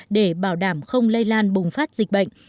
để bảo đảm không lây lan bùng phát dịch bệnh